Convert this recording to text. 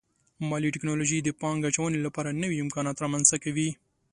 مالي ټکنالوژي د پانګې اچونې لپاره نوي امکانات رامنځته کوي.